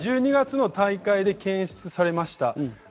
１２月の大会で検出されました。